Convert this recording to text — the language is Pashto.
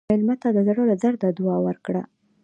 مېلمه ته د زړه له درده دعا ورکړه.